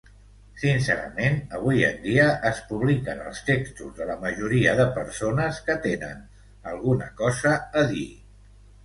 Sincerament, avui en dia es publiquen els textos de la majoria de persones que tenen alguna cosa a dir.